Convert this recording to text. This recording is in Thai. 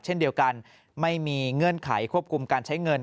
เช่นเดียวกันไม่มีเงื่อนไขควบคุมการใช้เงิน